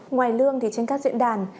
ngoài lương thì trên các diễn đàn